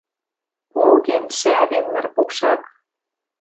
Поген, шӓвен ныр покшак.